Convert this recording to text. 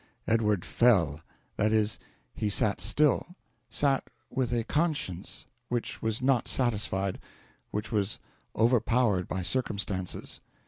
Edward fell that is, he sat still; sat with a conscience which was not satisfied, but which was overpowered by circumstances.